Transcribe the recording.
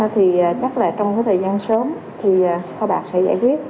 thì chắc là trong cái thời gian sớm thì kho bạc phải giải quyết